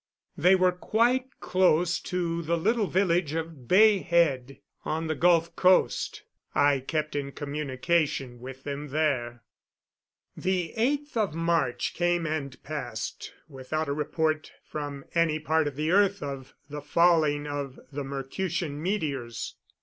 They were quite close to the little village of Bay Head, on the Gulf coast. I kept in communication with them there. The 8th of March came and passed without a report from any part of the earth of the falling of the Mercutian meteors.